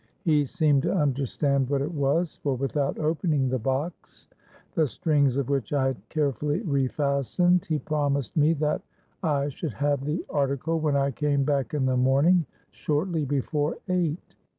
He seemed to understand what it was; for without opening the box, the strings of which I had carefully re fastened, he promised me that I should have the article when I came back in the morning, shortly before eight.